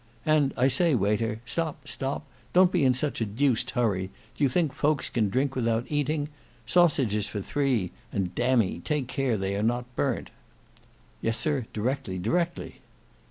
And I say waiter, stop, stop, don't be in such a deuced hurry; do you think folks can drink without eating;—sausages for three; and damme, take care they are not burnt." "Yes, sir, directly, directly."